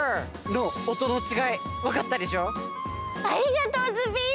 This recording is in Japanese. ありがとうズビー！